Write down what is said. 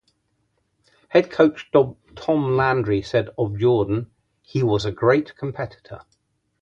Head coach Tom Landry said of Jordan, He was a great competitor.